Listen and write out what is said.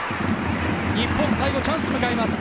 日本、最後チャンスを迎えます。